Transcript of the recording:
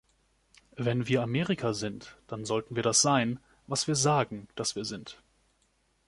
Wenn wir Amerika sind, dann sollten wir das sein, was wir sagen, dass wir sind.